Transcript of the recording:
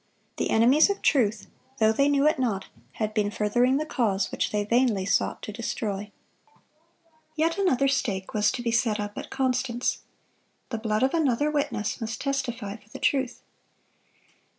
The enemies of truth, though they knew it not, had been furthering the cause which they vainly sought to destroy. Yet another stake was to be set up at Constance. The blood of another witness must testify for the truth.